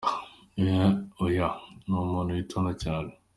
Oya Oya! Ni umuntu witonda cyane .